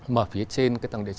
mở phía trên cái tầng địa chỉ